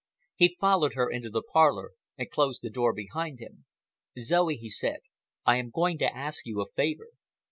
He followed her into the parlor and closed the door behind them. "Zoe," he said, "I am going to ask you a favor."